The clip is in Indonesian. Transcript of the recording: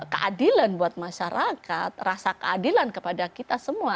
keadilan buat masyarakat rasa keadilan kepada kita semua